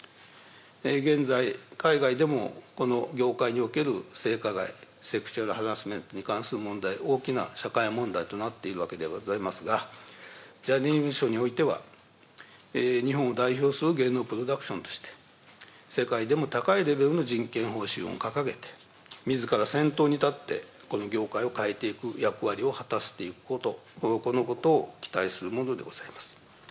現在、海外でもこの業界における性加害、セクシャルハラスメントに関する問題、大きな社会問題となっているわけでございますが、ジャニーズ事務所においては、日本を代表する芸能プロダクションとして、世界でも高いレベルの人権方針を掲げて、みずから先頭に立って、この業界を変えていく役割を果たしていくこと、このことを期待するものでございます。